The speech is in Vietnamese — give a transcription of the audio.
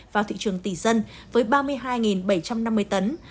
vào thị trường tỷ dân với ba mươi hai bảy trăm năm mươi tấn